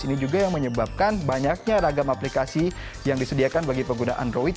ini juga yang menyebabkan banyaknya ragam aplikasi yang disediakan bagi pengguna android